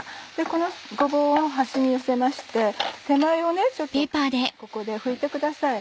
このごぼうを端に寄せまして手前をここで拭いてください。